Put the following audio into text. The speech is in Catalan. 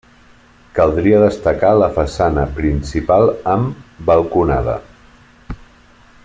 Caldria destacar la façana principal amb balconada.